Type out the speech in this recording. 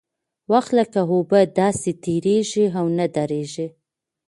وخت لکه اوبه داسې تېرېږي او نه درېږي.